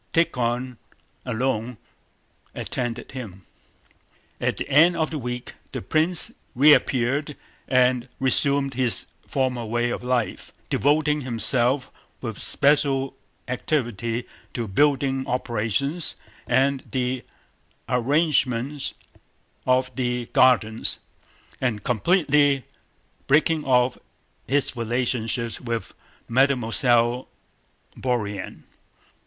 Tíkhon alone attended him. At the end of the week the prince reappeared and resumed his former way of life, devoting himself with special activity to building operations and the arrangement of the gardens and completely breaking off his relations with Mademoiselle Bourienne.